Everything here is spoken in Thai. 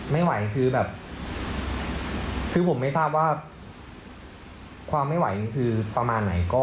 ไม่ไหวคือแบบคือผมไม่ทราบว่าความไม่ไหวนี่คือประมาณไหน